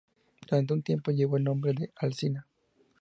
Durante un tiempo llevó el nombre de "Alsina".